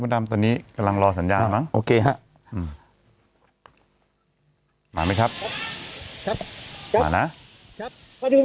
คุณพระดำตอนนี้กำลังรอสัญญาณมั้งโอเคฮะอืมมาไหม